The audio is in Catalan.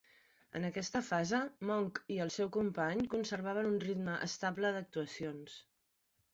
En aquesta fase, Monck i el seu company conservaven un ritme estable d'actuacions.